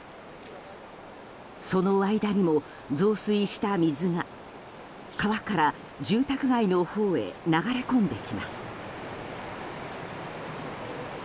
その間にも、増水した水が川から住宅街のほうへ流れ込んできます。